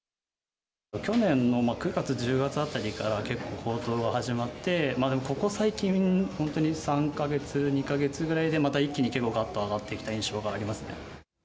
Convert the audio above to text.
去年の９月１０月あたりから、結構高騰が始まって、ここ最近、本当に３か月、２か月ぐらいでまた一回でがっと上がった印象がありますね。